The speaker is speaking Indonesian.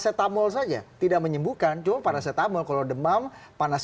atau lakukan proses